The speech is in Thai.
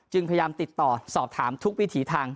พยายามติดต่อสอบถามทุกวิถีทาง